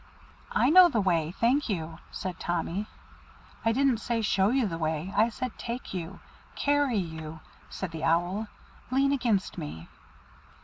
"I know the way, thank you," said Tommy. "I didn't say show you the way, I said take you carry you," said the Owl. "Lean against me."